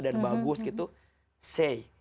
dan bagus gitu say